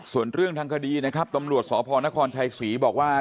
ส่วนเรื่องทางคดีนะครับตำรวจสพนครชัยศรีบอกว่า